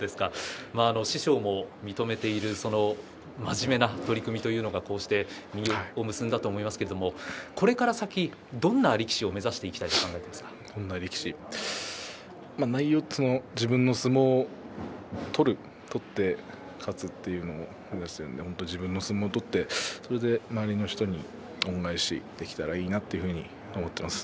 師匠も認めている真面目な取組というのがこうして実を結んだと思いますけれどもこれから先、どんな力士を目指していきたいとどんな力士自分の相撲を取って勝つというのを目指しているので自分の相撲を取ってそれで周りの人に恩返しできたらいいなというふうに思っています。